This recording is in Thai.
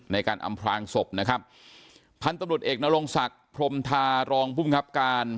ในการอำพลางศพนะครับพันธุ์ตำรวจเอกนรงศักดิ์พรมทารองภูมิครับการ